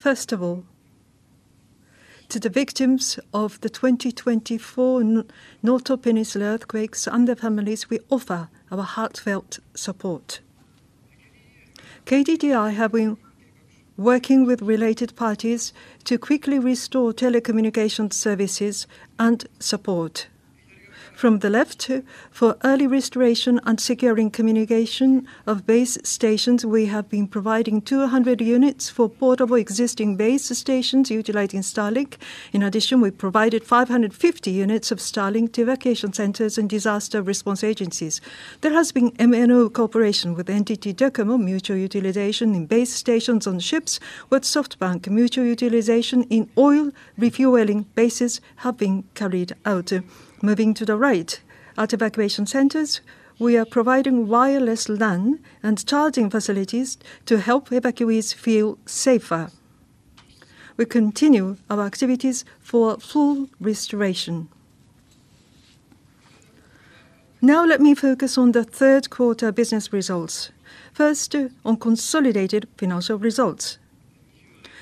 First of all, to the victims of the 2024 Noto Peninsula earthquakes and their families, we offer our heartfelt support. KDDI have been working with related parties to quickly restore telecommunication services and support. From the left, for early restoration and securing communication of base stations, we have been providing 200 units for portable existing base stations utilizing Starlink. In addition, we provided 550 units of Starlink to evacuation centers and disaster response agencies. There has been MNO cooperation with NTT Docomo, mutual utilization in base stations on ships, with SoftBank mutual utilization in oil refueling bases have been carried out. Moving to the right, at evacuation centers, we are providing wireless LAN and charging facilities to help evacuees feel safer. We continue our activities for full restoration. Now let me focus on the third quarter business results. First, on consolidated financial results.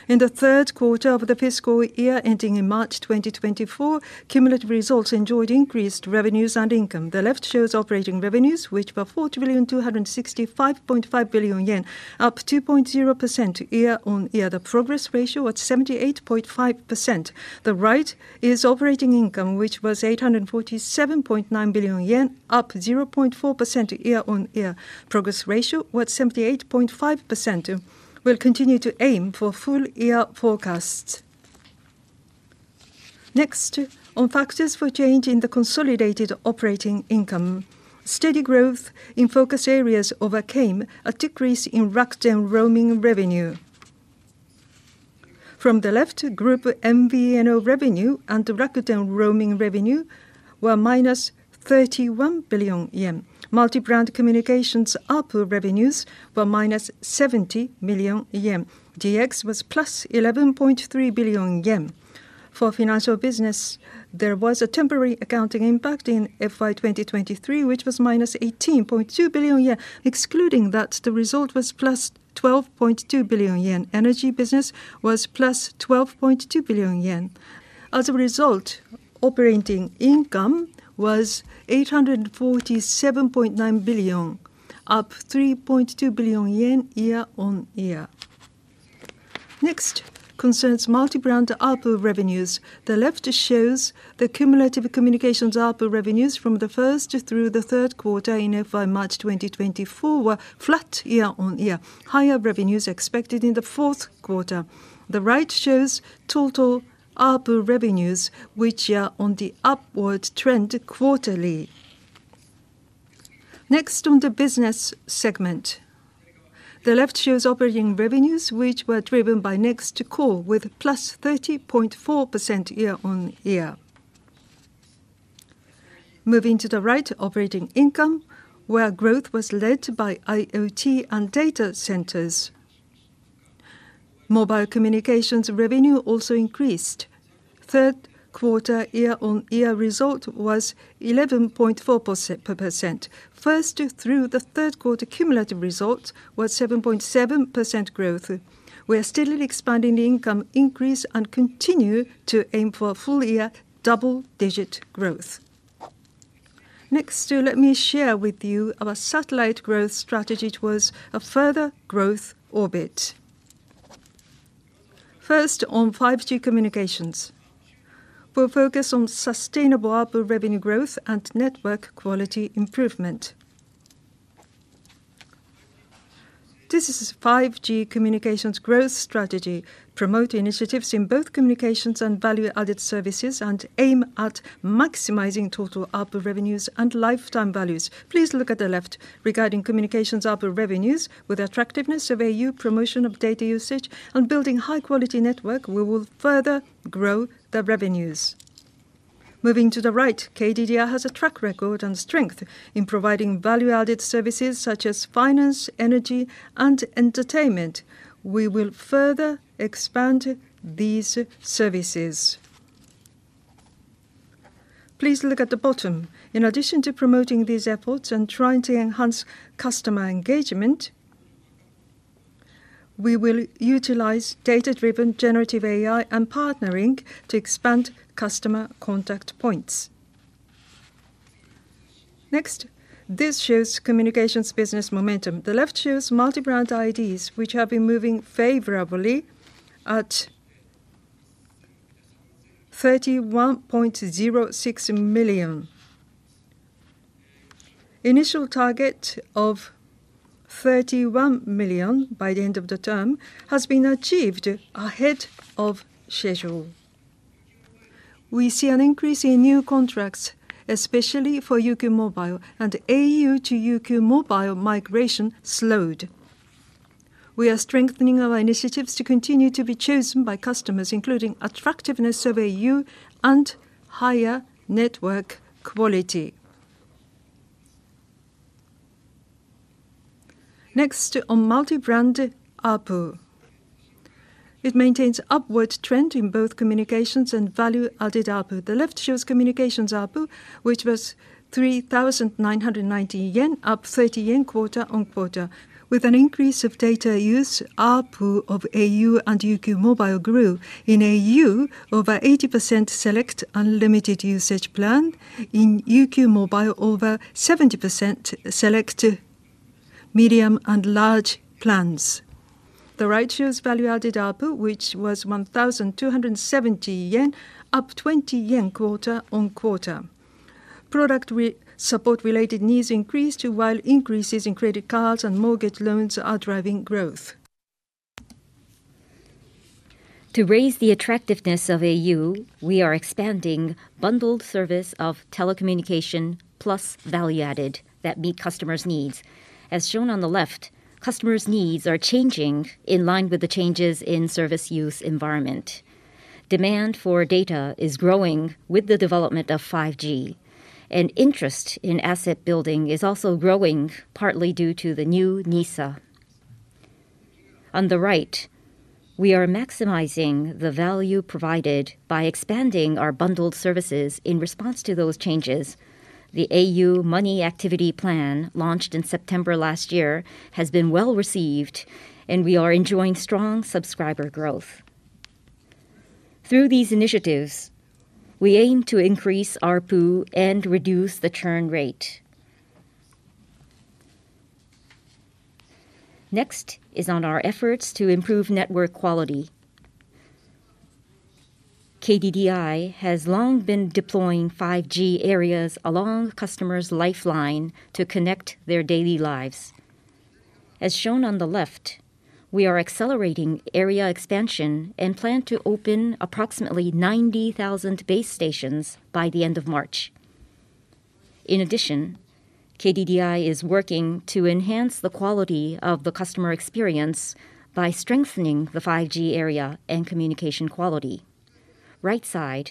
In the third quarter of the fiscal year, ending in March 2024, cumulative results enjoyed increased revenues and income. The left shows operating revenues, which were 4,265.5 billion yen, up 2.0% year-on-year. The progress ratio was 78.5%. The right is operating income, which was 847.9 billion yen, up 0.4% year-on-year. Progress ratio was 78.5%. We'll continue to aim for full year forecasts. Next, on factors for change in the consolidated operating income. Steady growth in focus areas overcame a decrease in Rakuten roaming revenue. From the left, group MVNO revenue and Rakuten roaming revenue were -31 billion yen. Multi-brand communications ARPU revenues were -70 million yen. DX was +11.3 billion yen. For financial business, there was a temporary accounting impact in FY 2023, which was -18.2 billion yen. Excluding that, the result was +12.2 billion yen. Energy business was +12.2 billion yen. As a result, operating income was 847.9 billion, up 3.2 billion yen year-on-year. Next concerns multi-brand ARPU revenues. The left shows the cumulative communications ARPU revenues from the first through the third quarter in FY March 2024 were flat year-on-year. Higher revenues expected in the fourth quarter. The right shows total ARPU revenues, which are on the upward trend quarterly. Next, on the business segment. The left shows operating revenues, which were driven by Next Core with +30.4% year-on-year. Moving to the right, operating income, where growth was led by IoT and data centers. Mobile communications revenue also increased. Third quarter year-on-year result was 11.4%. First through the third quarter, cumulative results were 7.7% growth. We are still expanding the income increase and continue to aim for a full year double-digit growth. Next, let me share with you our satellite growth strategy towards a further growth orbit. First, on 5G communications. We're focused on sustainable ARPU revenue growth and network quality improvement. This is 5G communications growth strategy, promote initiatives in both communications and value-added services, and aim at maximizing total ARPU revenues and lifetime values. Please look at the left. Regarding communications ARPU revenues, with attractiveness of au, promotion of data usage, and building high quality network, we will further grow the revenues. Moving to the right, KDDI has a track record and strength in providing value-added services such as finance, energy, and entertainment. We will further expand these services. Please look at the bottom. In addition to promoting these efforts and trying to enhance customer engagement, we will utilize data-driven generative AI and partnering to expand customer contact points. Next, this shows communications business momentum. The left shows multi-brand IDs, which have been moving favorably at 31.06 million. Initial target of 31 million by the end of the term has been achieved ahead of schedule. We see an increase in new contracts, especially for UQ mobile and au to UQ mobile migration slowed. We are strengthening our initiatives to continue to be chosen by customers, including attractiveness of au and higher network quality. Next, on multi-brand ARPU. It maintains upward trend in both communications and value-added ARPU. The left shows communications ARPU, which was 3,990 yen, up 30 yen quarter-on-quarter. With an increase of data use, ARPU of au and UQ mobile grew. In au, over 80% select unlimited usage plan. In UQ mobile, over 70% select medium and large plans. The right shows value-added ARPU, which was 1,270 yen, up 20 yen quarter-on-quarter. Product repair support related needs increased, while increases in credit cards and mortgage loans are driving growth. To raise the attractiveness of au, we are expanding bundled service of telecommunication plus value added that meet customers' needs. As shown on the left, customers' needs are changing in line with the changes in service use environment. Demand for data is growing with the development of 5G, and interest in asset building is also growing, partly due to the new NISA. On the right, we are maximizing the value provided by expanding our bundled services in response to those changes. The au Money Activity Plan, launched in September last year, has been well-received, and we are enjoying strong subscriber growth. Through these initiatives, we aim to increase ARPU and reduce the churn rate. Next is on our efforts to improve network quality. KDDI has long been deploying 5G areas along customers' lifeline to connect their daily lives. As shown on the left, we are accelerating area expansion and plan to open approximately 90,000 base stations by the end of March. In addition, KDDI is working to enhance the quality of the customer experience by strengthening the 5G area and communication quality. Right side,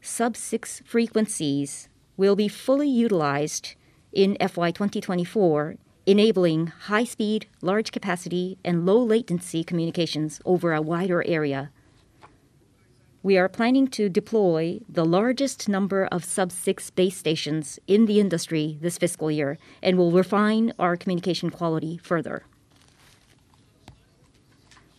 Sub-6 frequencies will be fully utilized in FY 2024, enabling high speed, large capacity, and low latency communications over a wider area. We are planning to deploy the largest number of Sub-6 base stations in the industry this fiscal year, and we'll refine our communication quality further.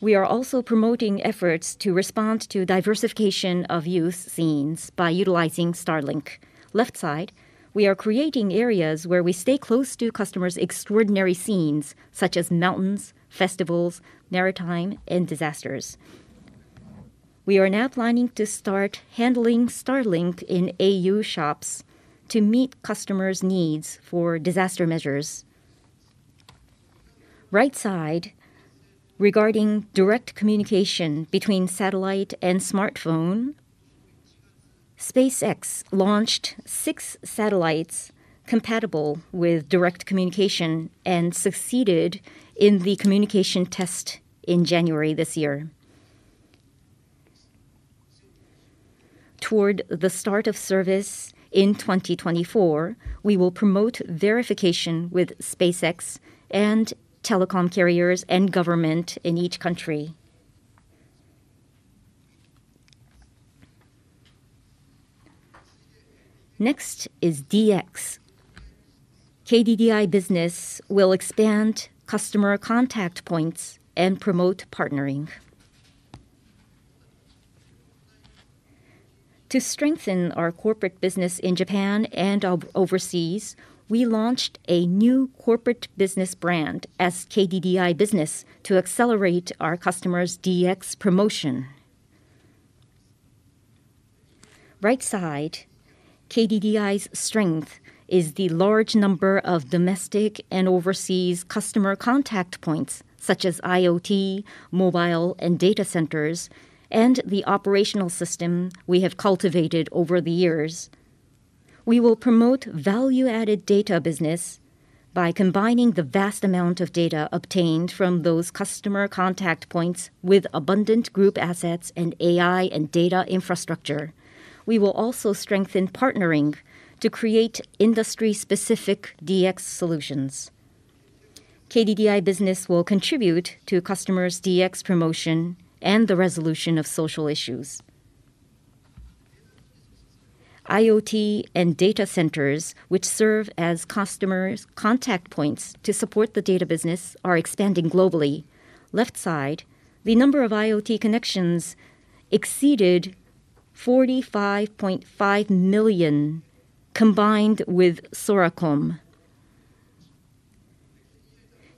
We are also promoting efforts to respond to diversification of use scenes by utilizing Starlink. Left side, we are creating areas where we stay close to customers' extraordinary scenes, such as mountains, festivals, maritime, and disasters. We are now planning to start handling Starlink in au shops to meet customers' needs for disaster measures. Right side, regarding direct communication between satellite and smartphone, SpaceX launched 6 satellites compatible with direct communication and succeeded in the communication test in January this year. Toward the start of service in 2024, we will promote verification with SpaceX, and telecom carriers, and government in each country. Next is DX. KDDI Business will expand customer contact points and promote partnering. To strengthen our corporate business in Japan and overseas, we launched a new corporate business brand as KDDI Business to accelerate our customers' DX promotion. Right side, KDDI's strength is the large number of domestic and overseas customer contact points, such as IoT, mobile, and data centers, and the operational system we have cultivated over the years. We will promote value-added data business by combining the vast amount of data obtained from those customer contact points with abundant group assets and AI and data infrastructure. We will also strengthen partnering to create industry-specific DX solutions. KDDI Business will contribute to customers' DX promotion and the resolution of social issues. IoT and data centers, which serve as customers' contact points to support the data business, are expanding globally. Left side, the number of IoT connections exceeded 45.5 million, combined with Soracom.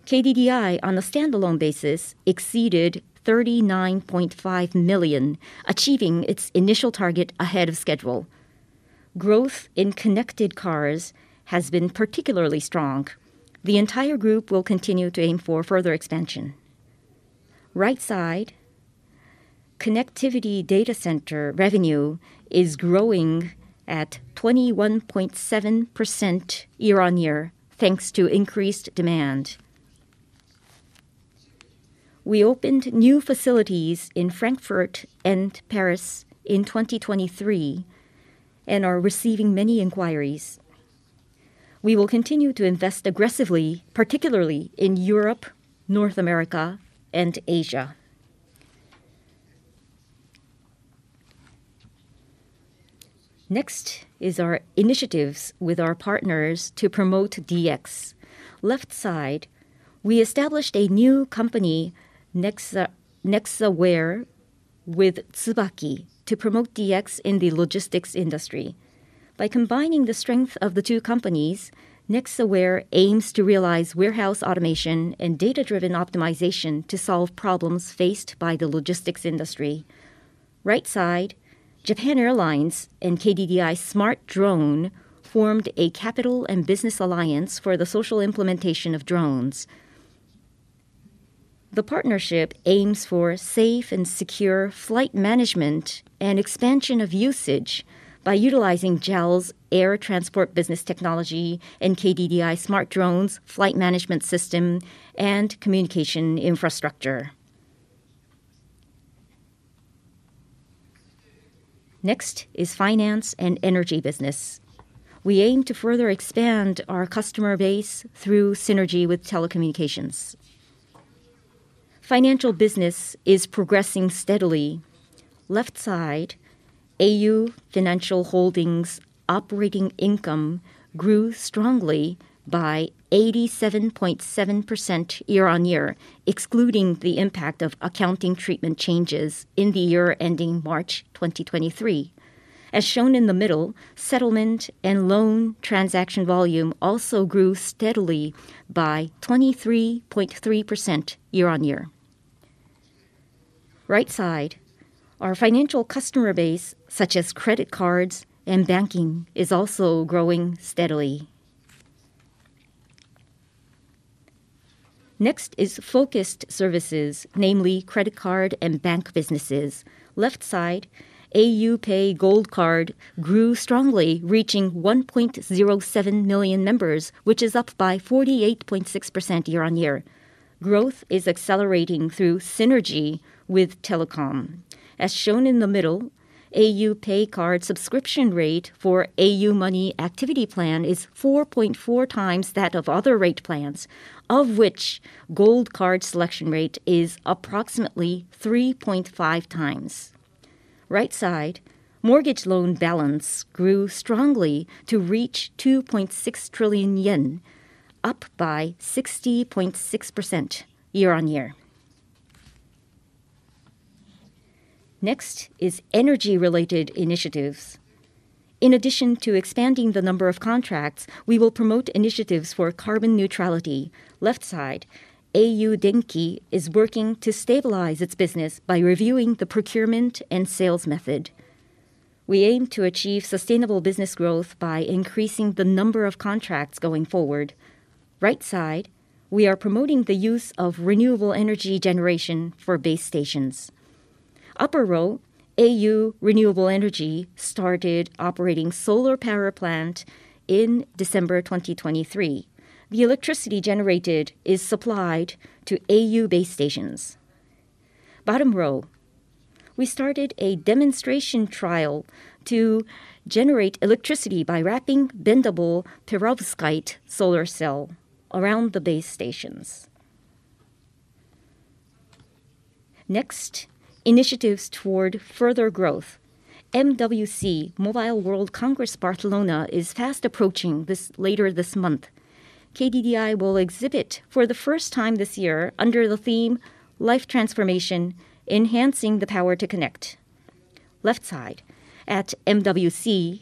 KDDI, on a standalone basis, exceeded 39.5 million, achieving its initial target ahead of schedule. Growth in connected cars has been particularly strong. The entire group will continue to aim for further expansion. Right side, connectivity data center revenue is growing at 21.7% year-on-year, thanks to increased demand. We opened new facilities in Frankfurt and Paris in 2023, and are receiving many inquiries. We will continue to invest aggressively, particularly in Europe, North America, and Asia. Next is our initiatives with our partners to promote DX. Left side, we established a new company, Nexa Ware, with Tsubaki to promote DX in the logistics industry. By combining the strength of the two companies, Nexa Ware aims to realize warehouse automation and data-driven optimization to solve problems faced by the logistics industry. Right side, Japan Airlines and KDDI Smart Drone formed a capital and business alliance for the social implementation of drones. The partnership aims for safe and secure flight management and expansion of usage by utilizing JAL's air transport business technology and KDDI Smart Drone's flight management system and communication infrastructure. Next is finance and energy business. We aim to further expand our customer base through synergy with telecommunications. Financial business is progressing steadily. Left side, au Financial Holdings operating income grew strongly by 87.7% year-on-year, excluding the impact of accounting treatment changes in the year ending March 2023. As shown in the middle, settlement and loan transaction volume also grew steadily by 23.3% year-on-year. Right side, our financial customer base, such as credit cards and banking, is also growing steadily. Next is focused services, namely credit card and bank businesses. Left side, au PAY Gold Card grew strongly, reaching 1.07 million members, which is up by 48.6% year-on-year. Growth is accelerating through synergy with telecom. As shown in the middle, au PAY Card subscription rate for au Money Activity Plan is 4.4 times that of other rate plans, of which Gold Card selection rate is approximately 3.5 times. Right side, mortgage loan balance grew strongly to reach 2.6 trillion yen, up by 60.6% year-on-year. Next is energy-related initiatives. In addition to expanding the number of contracts, we will promote initiatives for carbon neutrality. Left side, au Denki is working to stabilize its business by reviewing the procurement and sales method. We aim to achieve sustainable business growth by increasing the number of contracts going forward. Right side, we are promoting the use of renewable energy generation for base stations. Upper row, au Renewable Energy started operating solar power plant in December 2023. The electricity generated is supplied to au base stations. Bottom row, we started a demonstration trial to generate electricity by wrapping bendable perovskite solar cell around the base stations. Next, initiatives toward further growth. MWC, Mobile World Congress Barcelona, is fast approaching this later this month. KDDI will exhibit for the first time this year under the theme: Life Transformation: Enhancing the Power to Connect. Left side, at MWC,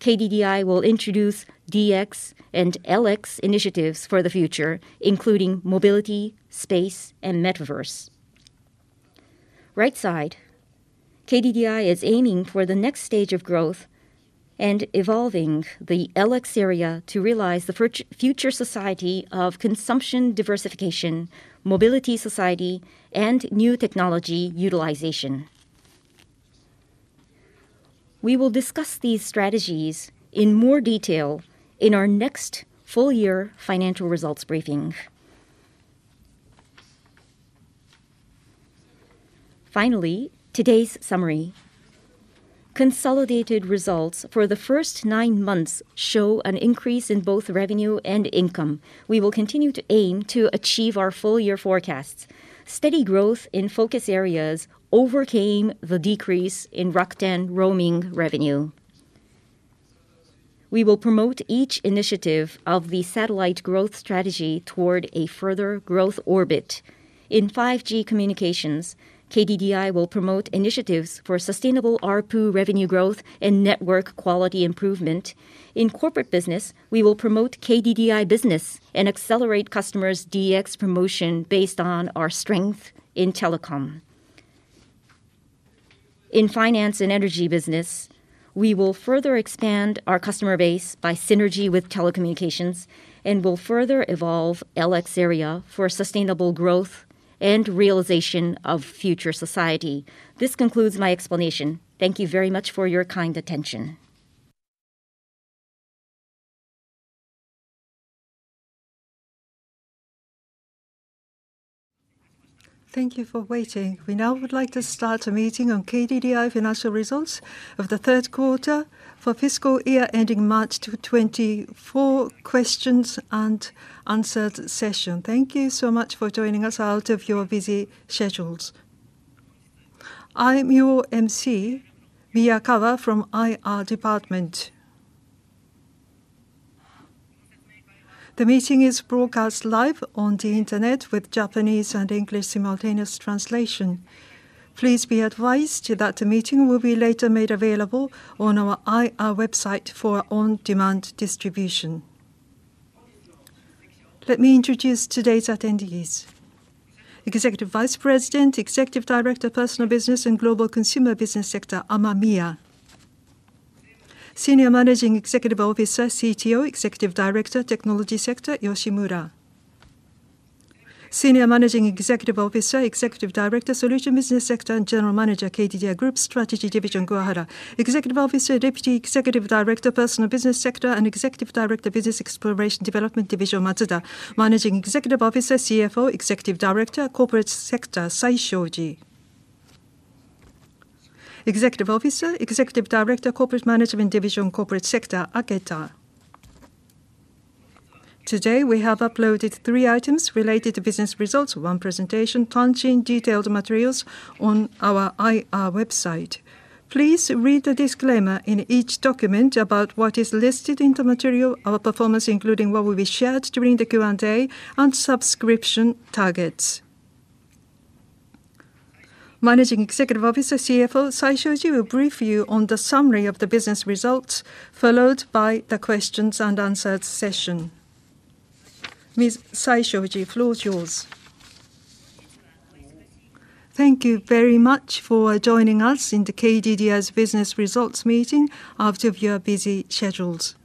KDDI will introduce DX and LX initiatives for the future, including mobility, space, and metaverse. Right side, KDDI is aiming for the next stage of growth and evolving the LX area to realize the future society of consumption diversification, mobility society, and new technology utilization. We will discuss these strategies in more detail in our next full year financial results briefing. Finally, today's summary. Consolidated results for the first nine months show an increase in both revenue and income. We will continue to aim to achieve our full year forecasts. Steady growth in focus areas overcame the decrease in Rakuten roaming revenue. We will promote each initiative of the satellite growth strategy toward a further growth orbit. In 5G communications, KDDI will promote initiatives for sustainable ARPU revenue growth and network quality improvement. In corporate business, we will promote KDDI Business and accelerate customers' DX promotion based on our strength in telecom. In finance and energy business, we will further expand our customer base by synergy with telecommunications and will further evolve LX area for sustainable growth and realization of future society. This concludes my explanation. Thank you very much for your kind attention. Thank you for waiting. We now would like to start a meeting on KDDI financial results of the third quarter for fiscal year ending March 2024, questions and answers session. Thank you so much for joining us out of your busy schedules. I'm your MC, Miyakawa from IR Department. The meeting is broadcast live on the internet with Japanese and English simultaneous translation. Please be advised that the meeting will be later made available on our IR website for on-demand distribution. Let me introduce today's attendees. Executive Vice President, Executive Director, Personal Business and Global Consumer Business Sector, Amamiya. Senior Managing Executive Officer, CTO, Executive Director, Technology Sector, Yoshimura. Senior Managing Executive Officer, Executive Director, Solution Business Sector, and General Manager, KDDI Group Strategy Division, Kuwahara. Executive Officer, Deputy Executive Director, Personal Business Sector, and Executive Director, Business Exploration Development Division, Matsuda. Managing Executive Officer, CFO, Executive Director, Corporate Sector, Saishoji. Executive Officer, Executive Director, Corporate Management Division, Corporate Sector, Aketa. Today, we have uploaded 3 items related to business results, one presentation, launching detailed materials on our IR website. Please read the disclaimer in each document about what is listed in the material, our performance, including what will be shared during the Q&A, and subscription targets. Managing Executive Officer, CFO, Saishoji, will brief you on the summary of the business results, followed by the questions and answers session. Ms. Saishoji, floor is yours. Thank you very much for joining us in the KDDI's business results meeting out of your busy schedules.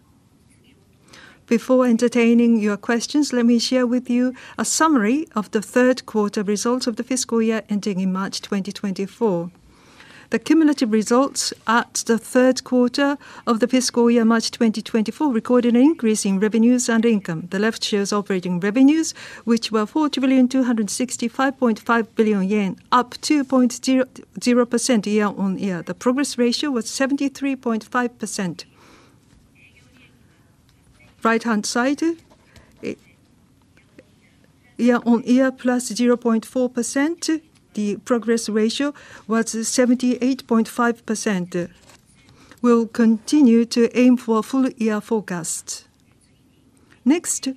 Before entertaining your questions, let me share with you a summary of the third quarter results of the fiscal year ending in March 2024. The cumulative results at the third quarter of the fiscal year, March 2024, recorded an increase in revenues and income. The left shows operating revenues, which were 4,265.5 billion yen, up 2.00% year-on-year. The progress ratio was 73.5%. Right-hand side, year-on-year +0.4%. The progress ratio was 78.5%. We'll continue to aim for a full year forecast. Next,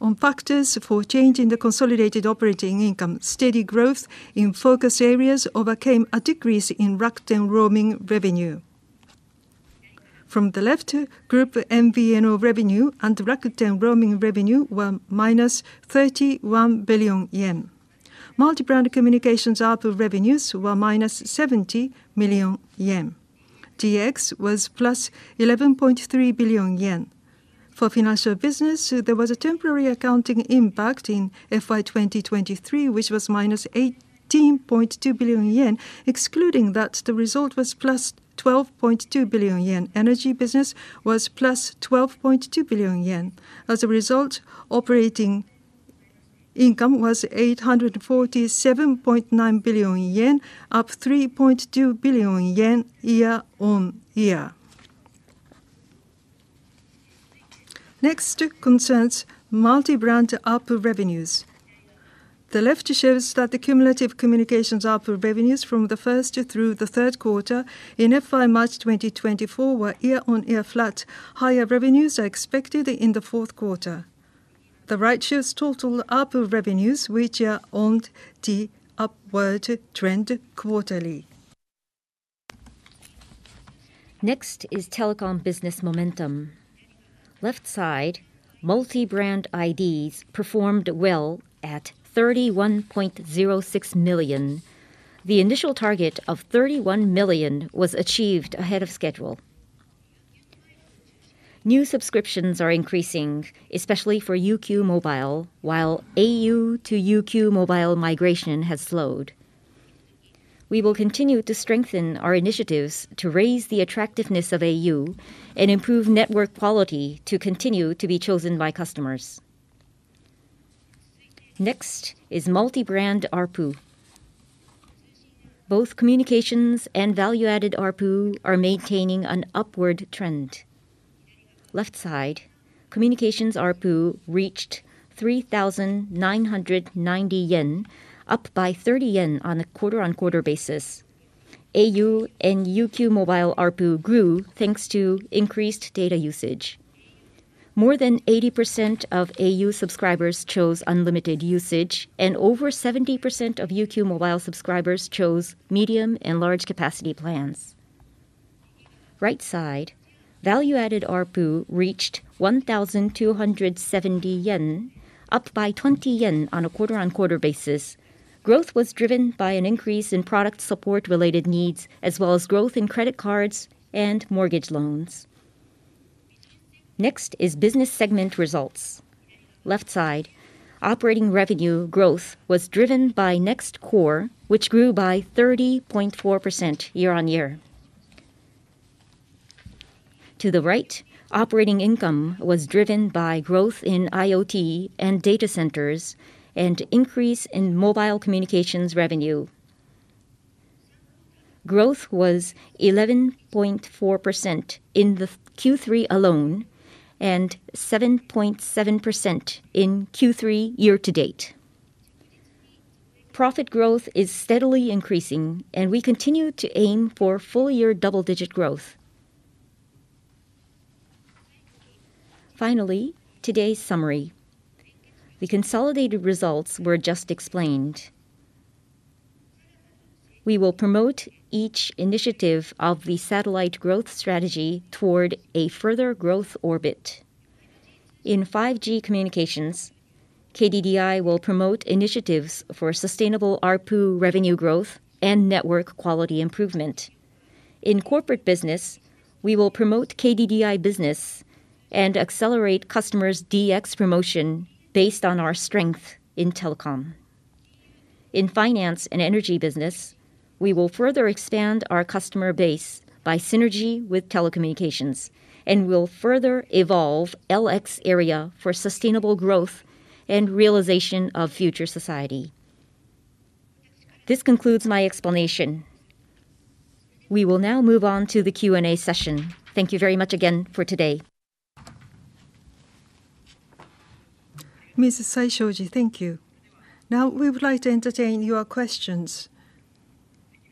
on factors for change in the consolidated operating income. Steady growth in focus areas overcame a decrease in Rakuten roaming revenue. From the left, group MVNO revenue and Rakuten roaming revenue were -31 billion yen. Multi-brand communications ARPU revenues were -70 million yen. DX was +11.3 billion yen. For financial business, there was a temporary accounting impact in FY 2023, which was -18.2 billion yen. Excluding that, the result was 12.2 billion yen. Energy business was 12.2 billion yen. As a result, operating income was 847.9 billion yen, up 3.2 billion yen year-on-year. Next, concerning multi-brand ARPU revenues. The left shows that the cumulative communications ARPU revenues from the first through the third quarter in FY March 2024 were year-on-year flat. The right shows total ARPU revenues, which are on the upward trend quarterly. Next is telecom business momentum. Left side, multi-brand IDs performed well at 31.06 million. The initial target of 31 million was achieved ahead of schedule. New subscriptions are increasing, especially for UQ mobile, while au to UQ mobile migration has slowed. We will continue to strengthen our initiatives to raise the attractiveness of au and improve network quality to continue to be chosen by customers. Next is multi-brand ARPU. Both communications and value-added ARPU are maintaining an upward trend. Left side, communications ARPU reached 3,990 yen, up by 30 yen on a quarter-on-quarter basis. au and UQ mobile ARPU grew thanks to increased data usage. More than 80% of au subscribers chose unlimited usage, and over 70% of UQ mobile subscribers chose medium and large capacity plans. Right side, value-added ARPU reached 1,270 yen, up by 20 yen on a quarter-on-quarter basis. Growth was driven by an increase in product support-related needs, as well as growth in credit cards and mortgage loans. Next is business segment results. Left side, operating revenue growth was driven by Next Core, which grew by 30.4% year-on-year. To the right, operating income was driven by growth in IoT and data centers, and increase in mobile communications revenue. Growth was 11.4% in the Q3 alone, and 7.7% in Q3 year-to-date. Profit growth is steadily increasing, and we continue to aim for full-year double-digit growth. Finally, today's summary. The consolidated results were just explained. We will promote each initiative of the satellite growth strategy toward a further growth orbit. In 5G communications, KDDI will promote initiatives for sustainable ARPU revenue growth and network quality improvement. In corporate business, we will promote KDDI Business and accelerate customers' DX promotion based on our strength in telecom. In finance and energy business, we will further expand our customer base by synergy with telecommunications, and will further evolve LX area for sustainable growth and realization of future society. This concludes my explanation. We will now move on to the Q&A session. Thank you very much again for today. Ms. Saishoji, thank you. Now, we would like to entertain your questions.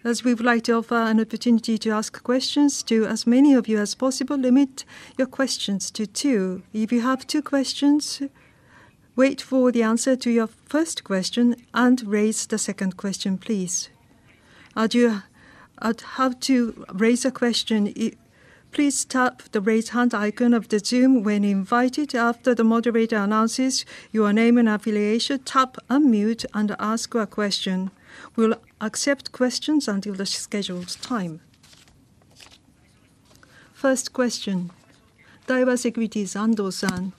As we would like to offer an opportunity to ask questions to as many of you as possible, limit your questions to two. If you have two questions, wait for the answer to your first question and raise the second question, please. As you how to raise a question, please tap the Raise Hand icon of the Zoom when invited. After the moderator announces your name and affiliation, tap Unmute and ask your question. We'll accept questions until the scheduled time. First question, Daiwa Securities, Ando-san,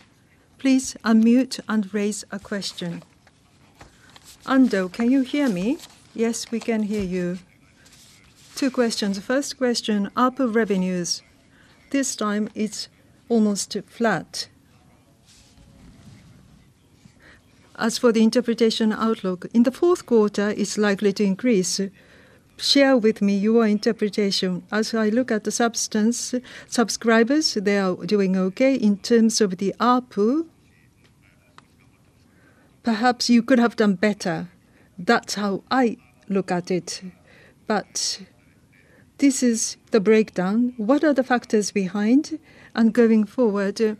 please unmute and raise a question. Ando, can you hear me? Yes, we can hear you. Two questions. First question, ARPU revenues. This time, it's almost flat. As for the interpretation outlook, in the fourth quarter, it's likely to increase. Share with me your interpretation. As I look at the substance, subscribers, they are doing okay in terms of the ARPU. Perhaps you could have done better, that's how I look at it, but this is the breakdown. What are the factors behind? And going forward,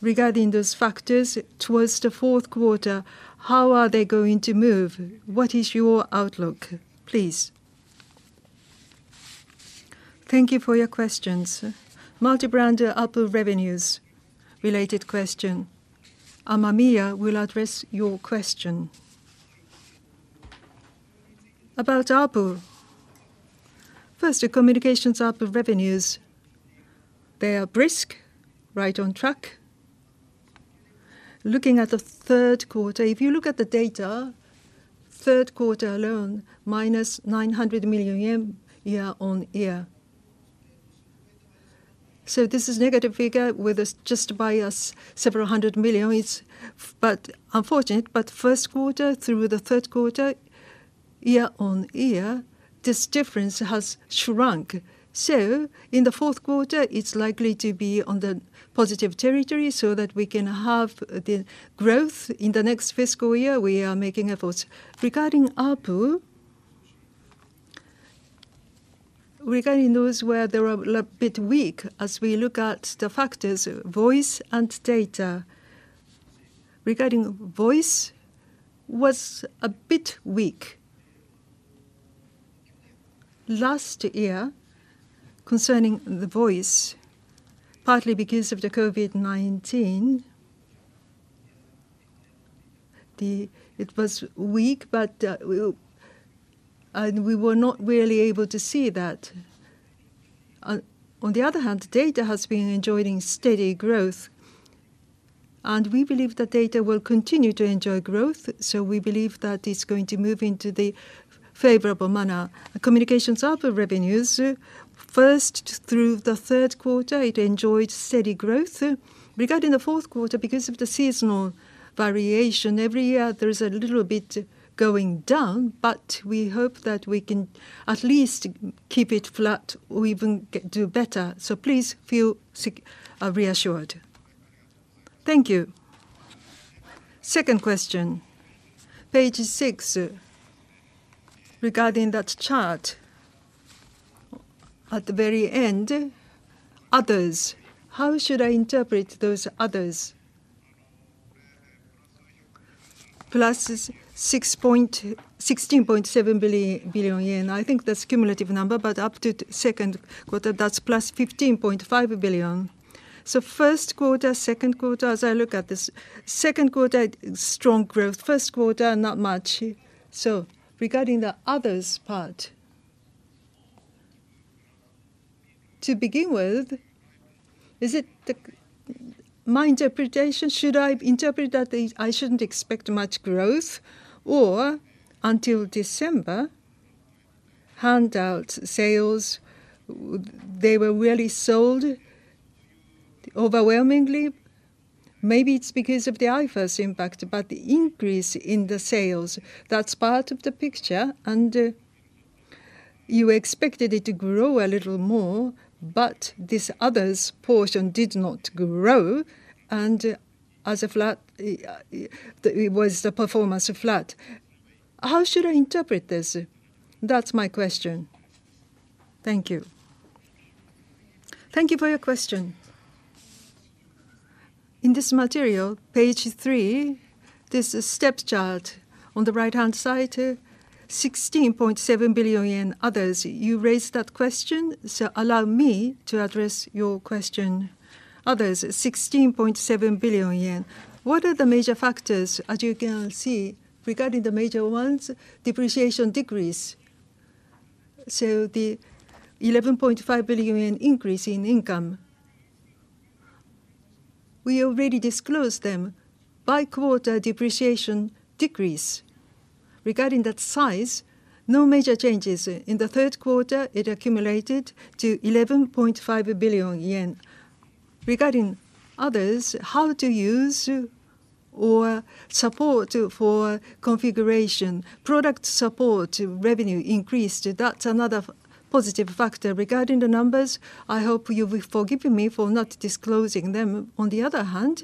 regarding those factors towards the fourth quarter, how are they going to move? What is your outlook, please? Thank you for your questions. Multi-brand ARPU revenues related question. Amamiya will address your question. About ARPU, first, the communications ARPU revenues, they are brisk, right on track. Looking at the third quarter, if you look at the data, third quarter alone, -JPY 900 million year-on-year. So this is negative figure with us just by us, JPY several hundred million is, but unfortunate, but first quarter through the third quarter, year-on-year, this difference has shrunk. So in the fourth quarter, it's likely to be on the positive territory so that we can have the growth. In the next fiscal year, we are making efforts. Regarding ARPU, regarding those where they were a little bit weak, as we look at the factors, voice and data. Regarding voice, was a bit weak. Last year, concerning the voice, partly because of the COVID-19, it was weak, but we and we were not really able to see that. On the other hand, data has been enjoying steady growth, and we believe that data will continue to enjoy growth, so we believe that it's going to move into the favorable manner. Communications ARPU revenues, first through the third quarter, it enjoyed steady growth. Regarding the fourth quarter, because of the seasonal variation, every year there is a little bit going down, but we hope that we can at least keep it flat or even do better. So please feel reassured. Thank you. Second question, page 6, regarding that chart, at the very end, Others, how should I interpret those Others? Plus 16.7 billion. I think that's cumulative number, but up to second quarter, that's plus 15.5 billion. So first quarter, second quarter, as I look at this, second quarter, strong growth, first quarter, not much. So regarding the Others part, to begin with, is it my interpretation, should I interpret that the, I shouldn't expect much growth? Or until December, handout sales, they were really sold overwhelmingly. Maybe it's because of the iPhone's impact, but the increase in the sales, that's part of the picture, and you expected it to grow a little more, but this others portion did not grow, and as a flat, it was the performance flat. How should I interpret this? That's my question. Thank you. Thank you for your question. In this material, page 3, there's a step chart on the right-hand side, 16.7 billion yen, others. You raised that question, so allow me to address your question. Others, 16.7 billion yen. What are the major factors? As you can see, regarding the major ones, depreciation decrease, so the 11.5 billion increase in income. We already disclosed them. By quarter depreciation decrease. Regarding that size, no major changes. In the third quarter, it accumulated to 11.5 billion yen. Regarding others, how to use or support for configuration. Product support revenue increased, that's another positive factor. Regarding the numbers, I hope you will forgive me for not disclosing them. On the other hand,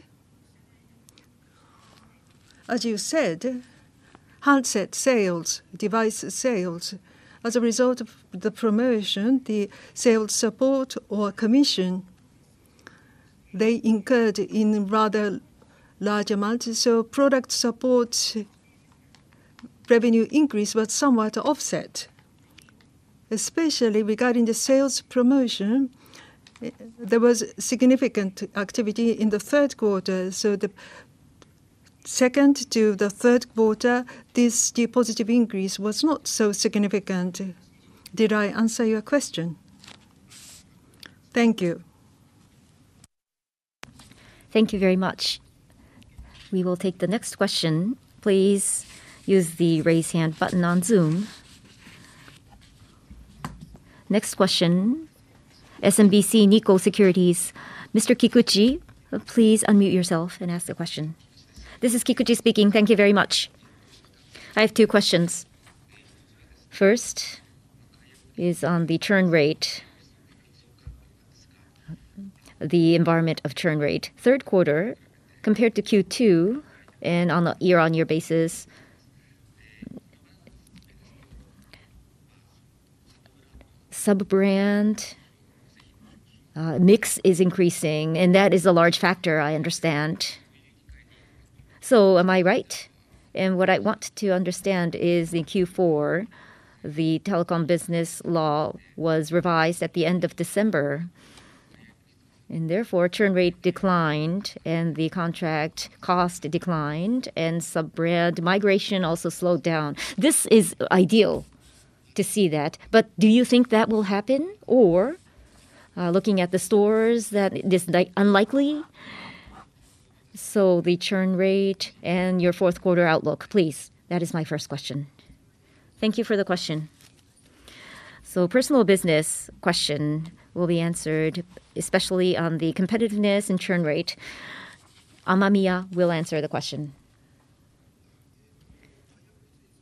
as you said, handset sales, device sales, as a result of the promotion, the sales support or commission, they incurred in rather large amounts, so product support revenue increase was somewhat offset. Especially regarding the sales promotion, there was significant activity in the third quarter, so the second to the third quarter, this positive increase was not so significant. Did I answer your question? Thank you. Thank you very much. We will take the next question. Please use the Raise Hand button on Zoom. Next question, SMBC Nikko Securities. Mr. Kikuchi, please unmute yourself and ask the question. This is Kikuchi speaking. Thank you very much. I have two questions. First is on the churn rate, the environment of churn rate. Third quarter, compared to Q2, and on a year-on-year basis, sub-brand mix is increasing, and that is a large factor, I understand. So am I right? And what I want to understand is in Q4, the telecom business law was revised at the end of December, and therefore, churn rate declined and the contract cost declined, and sub-brand migration also slowed down. This is ideal to see that, but do you think that will happen? Or, looking at the stores, that this unlikely? The churn rate and your fourth quarter outlook, please. That is my first question. Thank you for the question. Personal business question will be answered, especially on the competitiveness and churn rate. Amamiya will answer the question.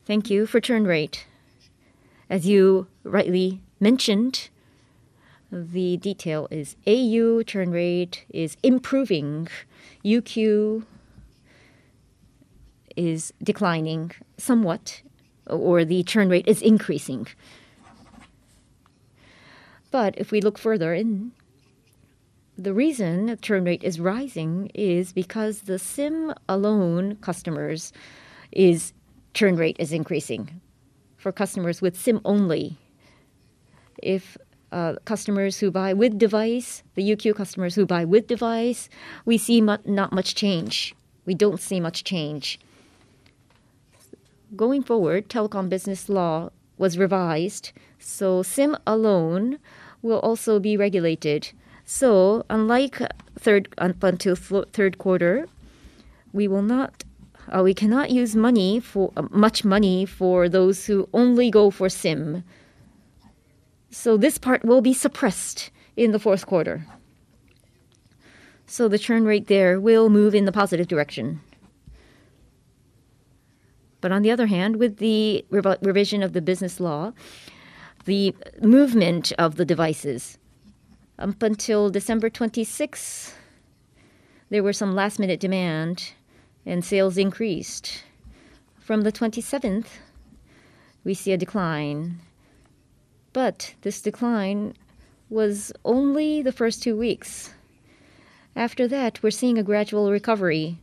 Thank you. For churn rate, as you rightly mentioned, the detail is au churn rate is improving, UQ is declining somewhat, or the churn rate is increasing. But if we look further in, the reason the churn rate is rising is because the SIM-alone customers is, churn rate is increasing for customers with SIM only. Customers who buy with device, the UQ customers who buy with device, we see not much change. We don't see much change. Going forward, telecom business law was revised, so SIM alone will also be regulated. So unlike third quarter, up until third quarter, we will not. We cannot use money for, much money for those who only go for SIM. So this part will be suppressed in the fourth quarter. So the churn rate there will move in the positive direction. But on the other hand, with the revision of the business law, the movement of the devices, up until December 26th, there were some last-minute demand, and sales increased. From the twenty-seventh, we see a decline, but this decline was only the first two weeks. After that, we're seeing a gradual recovery,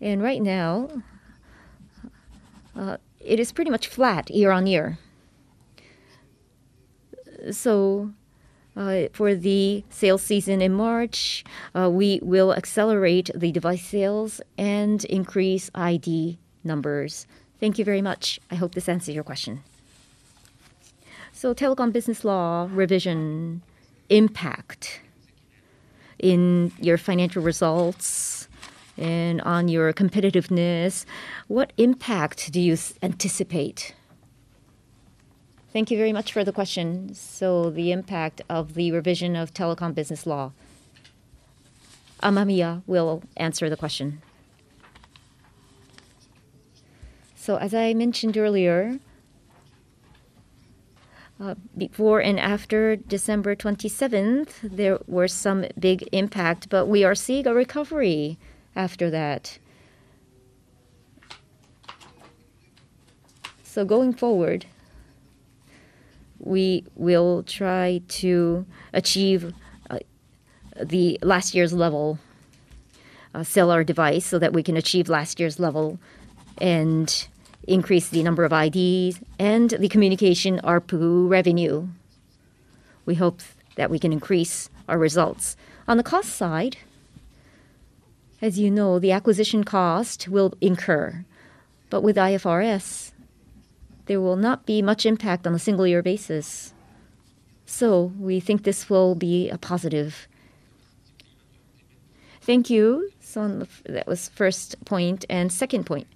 and right now, it is pretty much flat year-on-year. So, for the sales season in March, we will accelerate the device sales and increase ID numbers. Thank you very much. I hope this answers your question. So telecom business law revision impact in your financial results and on your competitiveness, what impact do you anticipate? Thank you very much for the question. The impact of the revision of telecom business law. Amamiya will answer the question. So as I mentioned earlier, before and after December 27th, there were some big impact, but we are seeing a recovery after that. So going forward, we will try to achieve the last year's level, sell our device, so that we can achieve last year's level and increase the number of IDs and the communication ARPU revenue. We hope that we can increase our results. On the cost side, as you know, the acquisition cost will incur, but with IFRS, there will not be much impact on a single year basis. So we think this will be a positive. Thank you. So that was first point and second point.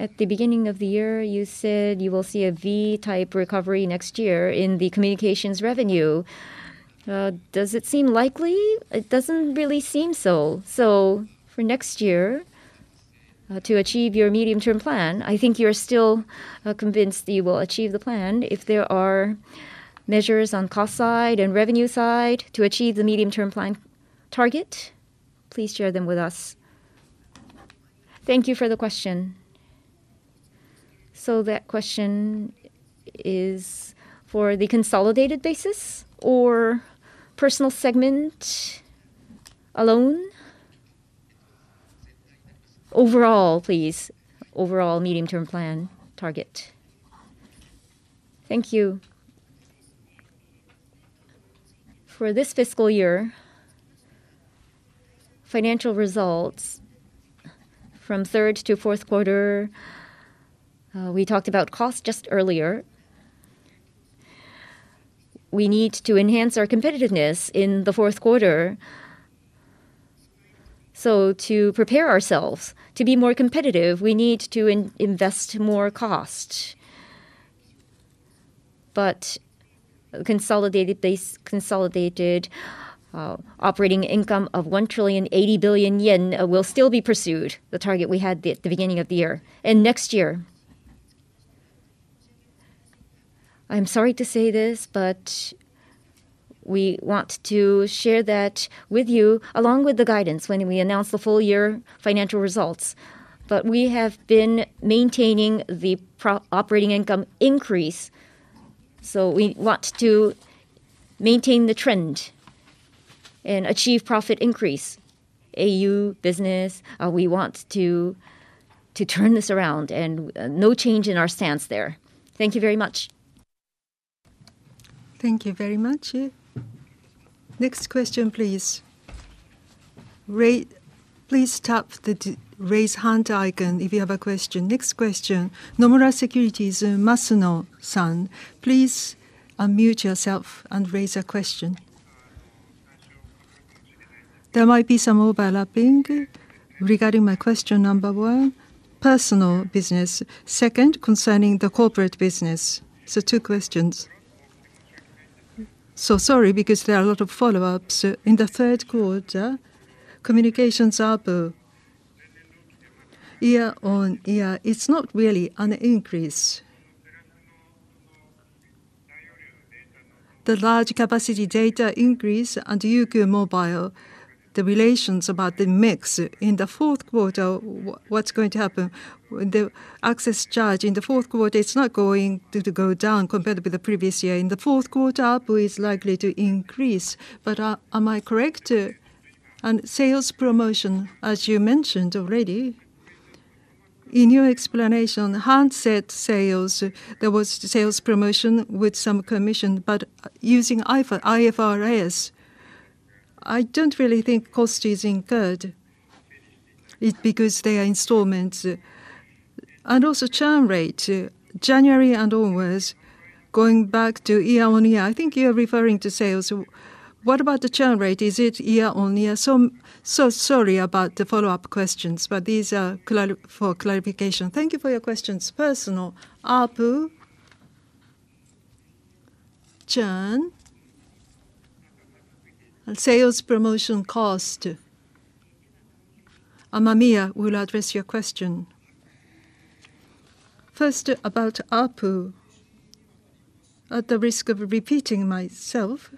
At the beginning of the year, you said you will see a V-type recovery next year in the communications revenue. Does it seem likely? It doesn't really seem so. So for next year, to achieve your medium-term plan, I think you're still convinced you will achieve the plan. If there are measures on cost side and revenue side to achieve the medium-term plan target, please share them with us. Thank you for the question. So that question is for the consolidated basis or personal segment alone? Overall, please. Overall medium-term plan target. Thank you. For this fiscal year, financial results from third to fourth quarter, we talked about cost just earlier. We need to enhance our competitiveness in the fourth quarter. So to prepare ourselves to be more competitive, we need to invest more cost. But consolidated basis, operating income of 1,080 billion yen will still be pursued, the target we had at the beginning of the year and next year. I'm sorry to say this, but we want to share that with you, along with the guidance when we announce the full-year financial results. But we have been maintaining the pro- operating income increase, so we want to maintain the trend and achieve profit increase. au business, we want to turn this around and, no change in our stance there. Thank you very much. Thank you very much. Yeah. Next question, please. Please tap the raise hand icon if you have a question. Next question, Nomura Securities, Masuno-san, please unmute yourself and raise a question. There might be some overlapping. Regarding my question number one, personal business. Second, concerning the corporate business. So two questions. So sorry, because there are a lot of follow-ups. In the third quarter, communications ARPU, year-on-year, it's not really an increase. The large capacity data increase and UQ mobile, the relations about the mix. In the fourth quarter, what's going to happen? The access charge in the fourth quarter, it's not going to go down compared with the previous year. In the fourth quarter, ARPU is likely to increase, but am I correct? And sales promotion, as you mentioned already, in your explanation, handset sales, there was sales promotion with some commission, but using IFRS, I don't really think cost is incurred. It's because they are installments. And also churn rate, January and onwards, going back to year-on-year, I think you are referring to sales. What about the churn rate? Is it year-on-year? So, so sorry about the follow-up questions, but these are for clarification. Thank you for your questions. Personal ARPU, churn, and sales promotion cost. Amamiya will address your question. First, about ARPU. At the risk of repeating myself,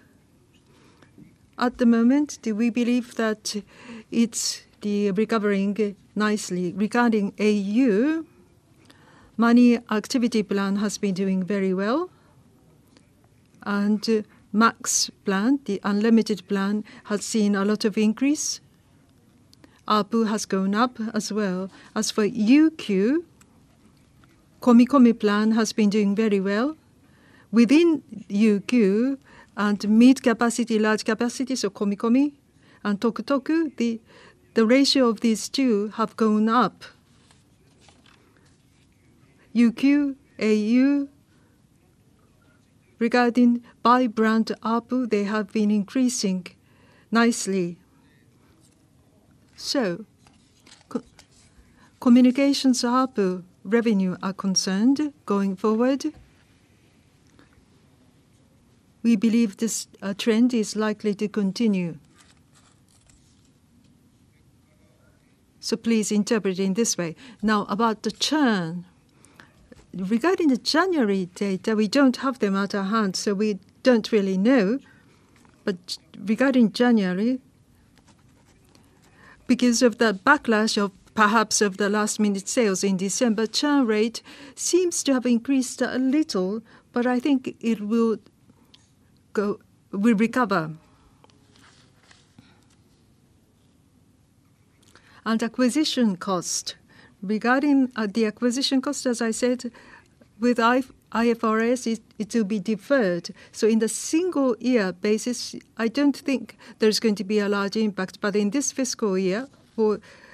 at the moment, do we believe that it's recovering nicely. Regarding au, au Money Activity Plan has been doing very well, and Max Plan, the unlimited plan, has seen a lot of increase. ARPU has gone up as well. As for UQ, Komikomi Plan has been doing very well. Within UQ, and mid capacity, large capacity, so Komikomi and Tokutoku, the ratio of these two have gone up. UQ, AU, regarding by brand ARPU, they have been increasing nicely. So communications ARPU revenue are concerned going forward, we believe this trend is likely to continue. So please interpret in this way. Now, about the churn. Regarding the January data, we don't have them at our hand, so we don't really know. But regarding January, because of the backlash of perhaps of the last-minute sales in December, churn rate seems to have increased a little, but I think it will recover. And acquisition cost. Regarding the acquisition cost, as I said, with IFRS, it, it will be deferred. So in the single year basis, I don't think there's going to be a large impact, but in this fiscal year,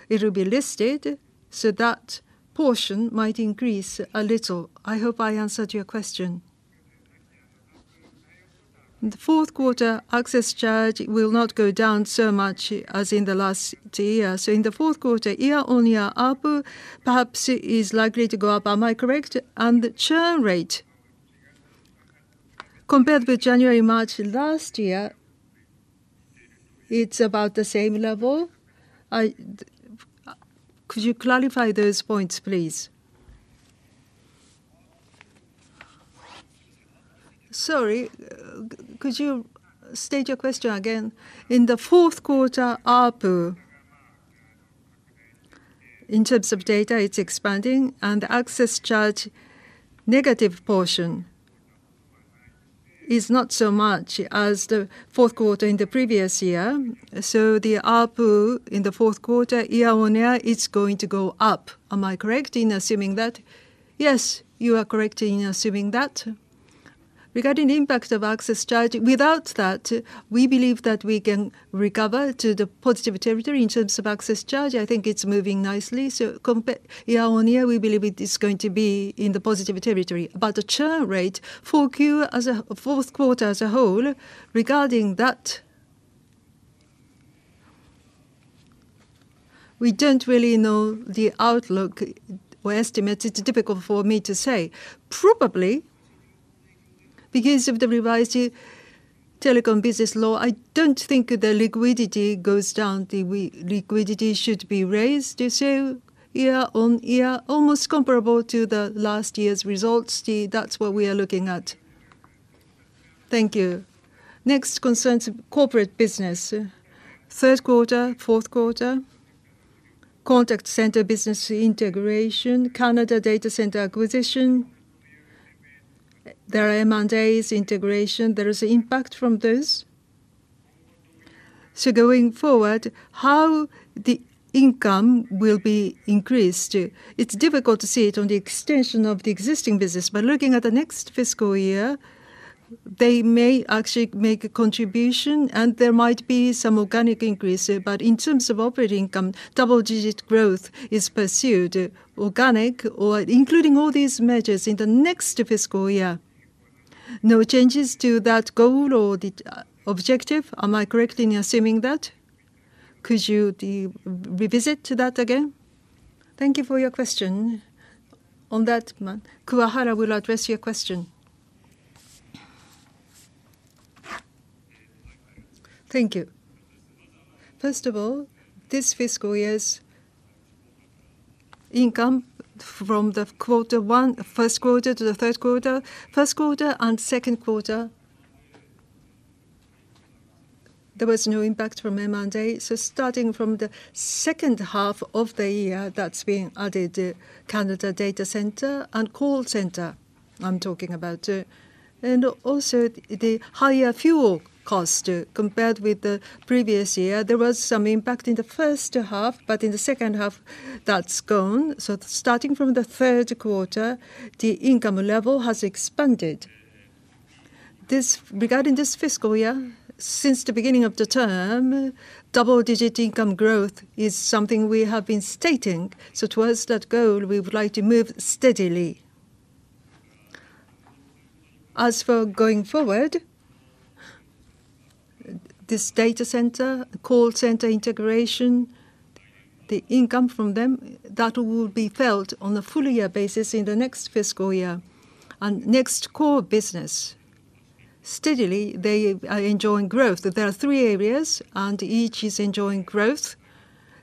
it'll be listed, so that portion might increase a little. I hope I answered your question. The fourth quarter access charge will not go down so much as in the last year. So in the fourth quarter, year-on-year ARPU, perhaps it is likely to go up. Am I correct? And the churn rate, compared with January and March last year, it's about the same level. Could you clarify those points, please? Sorry, could you state your question again? In the fourth quarter, ARPU, in terms of data, it's expanding, and access charge negative portion is not so much as the fourth quarter in the previous year. So the ARPU in the fourth quarter, year-on-year, it's going to go up. Am I correct in assuming that? Yes, you are correct in assuming that. Regarding the impact of access charge, without that, we believe that we can recover to the positive territory in terms of access charge. I think it's moving nicely, so year-on-year, we believe it is going to be in the positive territory. But the churn rate, 4Q, fourth quarter as a whole, regarding that, we don't really know the outlook or estimate. It's difficult for me to say. Probably, because of the revised telecom business law, I don't think the liquidity goes down. The liquidity should be raised to say year-on-year, almost comparable to the last year's results. That's what we are looking at. Thank you. Next concerns corporate business. Third quarter, fourth quarter, contact center business integration, Canada data center acquisition. There are MNOs integration, there is impact from this. So going forward, how the income will be increased? It's difficult to see it on the extension of the existing business, but looking at the next fiscal year, they may actually make a contribution, and there might be some organic increase. But in terms of operating income, double-digit growth is pursued, organic or including all these measures in the next fiscal year. No changes to that goal or the objective. Am I correct in assuming that? Could you revisit that again? Thank you for your question. On that, ma'am, Kuwahara will address your question. Thank you. First of all, this fiscal year's income from the quarter one, first quarter to the third quarter. First quarter and second quarter, there was no impact from M&A. So starting from the second half of the year, that's being added, Canada data center and call center, I'm talking about. And also the higher fuel cost compared with the previous year, there was some impact in the first half, but in the second half, that's gone. So starting from the third quarter, the income level has expanded. Regarding this fiscal year, since the beginning of the term, double-digit income growth is something we have been stating. So towards that goal, we would like to move steadily. As for going forward, this data center, call center integration, the income from them, that will be felt on a full year basis in the next fiscal year. And next, core business. Steadily, they are enjoying growth. There are three areas, and each is enjoying growth.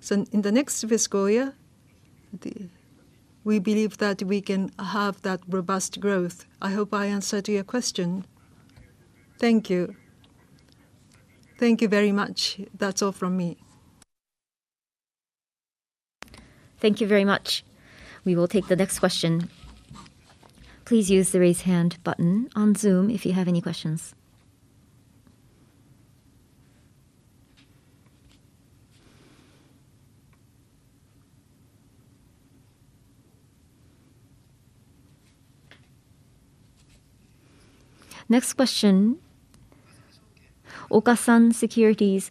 So in the next fiscal year, we believe that we can have that robust growth. I hope I answered your question. Thank you. Thank you very much. That's all from me. Thank you very much. We will take the next question. Please use the Raise Hand button on Zoom if you have any questions... Next question, Okasan Securities,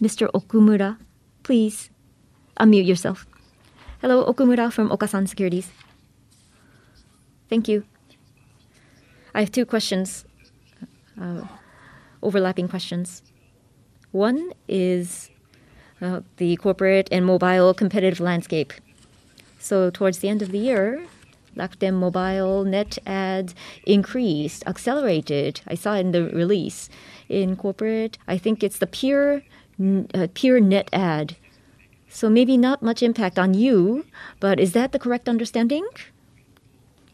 Mr. Okumura, please unmute yourself. Hello, Okumura from Okasan Securities. Thank you. I have two questions, overlapping questions. One is, the corporate and mobile competitive landscape. So towards the end of the year, Rakuten Mobile net add increased, accelerated. I saw in the release. In corporate, I think it's the pure net add. So maybe not much impact on you, but is that the correct understanding?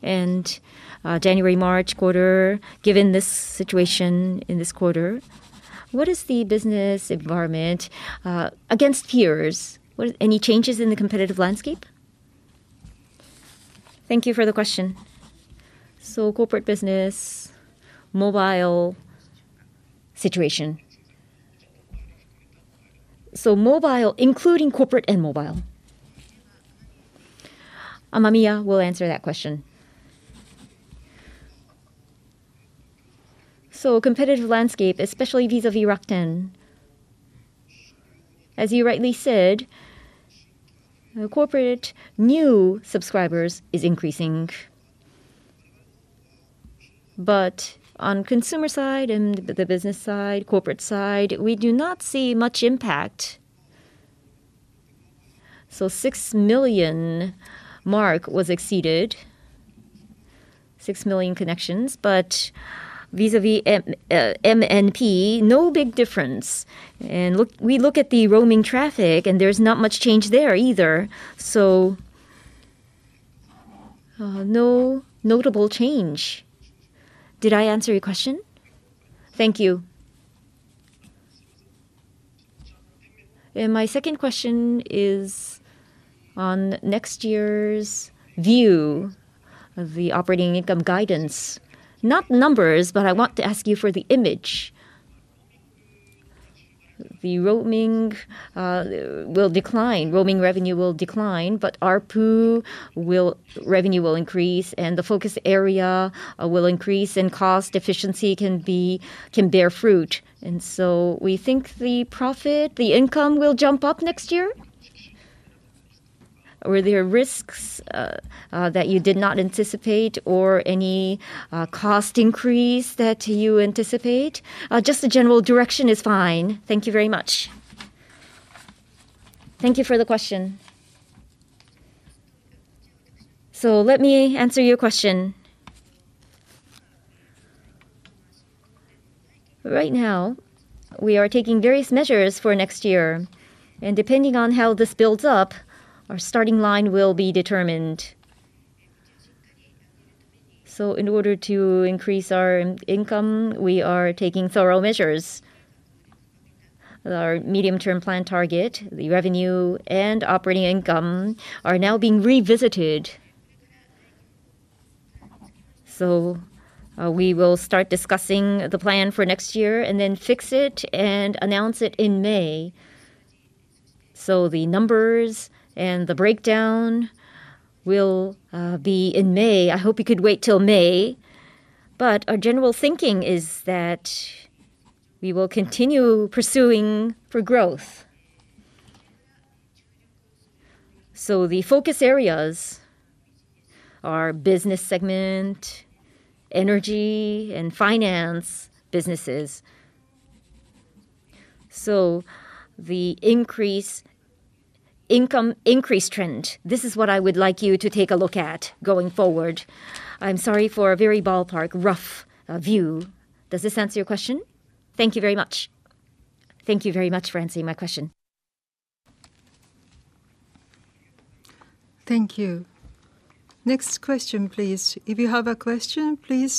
And, January, March quarter, given this situation in this quarter, what is the business environment, against peers? What are any changes in the competitive landscape? Thank you for the question. So corporate business, mobile situation. So mobile, including corporate and mobile. Amamiya will answer that question. So competitive landscape, especially vis-à-vis Rakuten. As you rightly said, corporate new subscribers is increasing. But on consumer side and the business side, corporate side, we do not see much impact. So 6 million mark was exceeded, 6 million connections, but vis-à-vis MNP, no big difference. And look, we look at the roaming traffic, and there's not much change there either. So, no notable change. Did I answer your question? Thank you. And my second question is on next year's view of the operating income guidance. Not numbers, but I want to ask you for the image. The roaming will decline, roaming revenue will decline, but ARPU will revenue will increase, and the focus area will increase, and cost efficiency can bear fruit. And so we think the profit, the income will jump up next year? Were there risks that you did not anticipate or any cost increase that you anticipate? Just a general direction is fine. Thank you very much. Thank you for the question. So let me answer your question. Right now, we are taking various measures for next year, and depending on how this builds up, our starting line will be determined. So in order to increase our in-income, we are taking thorough measures. Our medium-term plan target, the revenue and operating income, are now being revisited. So we will start discussing the plan for next year and then fix it and announce it in May. So the numbers and the breakdown will be in May. I hope you could wait till May. But our general thinking is that we will continue pursuing for growth. So the focus areas are business segment, energy, and finance businesses. The increase... income increase trend, this is what I would like you to take a look at going forward. I'm sorry for a very ballpark, rough view. Does this answer your question? Thank you very much. Thank you very much for answering my question. Thank you. Next question, please. If you have a question, please-